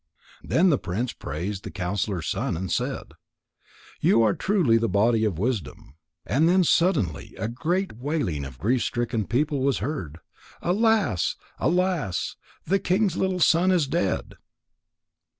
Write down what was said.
Then the prince praised the counsellor's son, and said: "You are truly the body of wisdom." And then suddenly a great wailing of grief stricken people was heard: "Alas! Alas! The king's little son is dead."